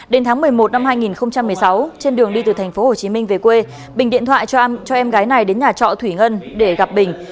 đến tháng một mươi một năm hai nghìn một mươi sáu trên đường đi từ tp hcm về quê bình điện thoại chom cho em gái này đến nhà trọ thủy ngân để gặp bình